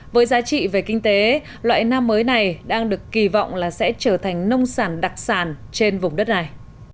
với giá trị về kinh tế loại nam mới này đang được kỳ vọng là sẽ trở thành nông sản đặc sản trên vùng đất này